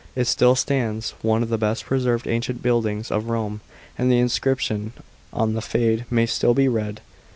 It still stands, one of the best preserved ancient buildings of Rome, and the inscription on the fa9ade may still be read.